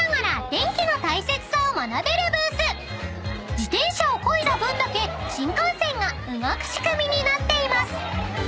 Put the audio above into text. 自転車をこいだ分だけ新幹線が動く仕組みになっています］